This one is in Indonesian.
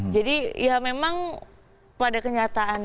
jadi ya memang pada kenyataan